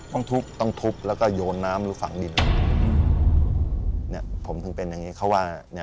ก็โดนทุบเพราะว่าคนที่ถูกมีดฟัน